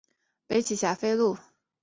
北起霞飞路。